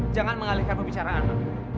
jangan mengalihkan pembicaraan mam